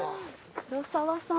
黒沢さん